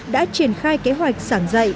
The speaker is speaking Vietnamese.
đã triển khai kế hoạch sản dạy